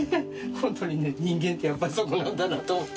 本当にね祐屬辰やっぱりねそこなんだなと思って。